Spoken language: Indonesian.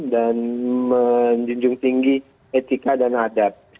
dan menjunjung tinggi etika dan adat